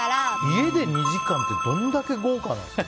家で２時間ってどんだけ豪華なんですか？